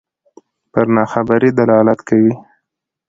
پر ناخبرۍ دلالت کوي.